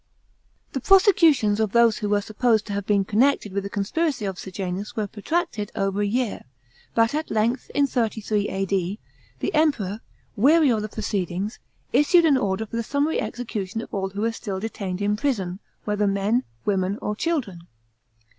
§ 21. The prosecutions of those who were supposed to have been connected with the conspiracy of Sejanus were protracted over a year, but at length, in 33 A.D., the Emperor, weary of the pro ceedings, issued an order for the summary execution of all who were still detained in prison, whether men, women, or children.